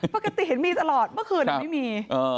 ปกติเห็นมีตลอดเมื่อคืนไม่มี